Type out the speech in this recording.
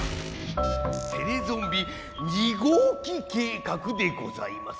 テレゾンビ２ごうき計画でございます。